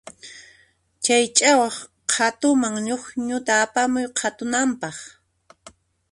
Chay ch'awaq qhatuman ñukñuta apamun qhatunanpaq.